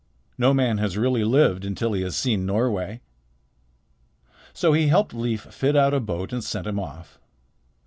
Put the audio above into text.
No man has really lived until he has seen Norway." So he helped Leif fit out a boat and sent him off.